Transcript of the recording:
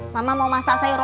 mama mau masak sayur ode dulu